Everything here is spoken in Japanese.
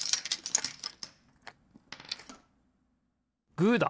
グーだ！